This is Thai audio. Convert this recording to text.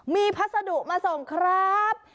มีพัสดุมาส่งครับ